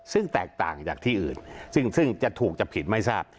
ซึ่งแตกต่างจากที่อื่นซึ่งจะถูกจะผิดไม่ทราบ